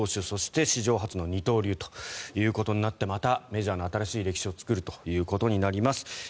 そして、史上初の二刀流となってまたメジャーの新しい歴史を作ることになります。